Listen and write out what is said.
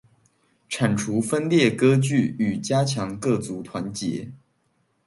剷除分裂割據與加強各族團結